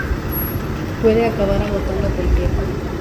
puede acabar agotando a cualquiera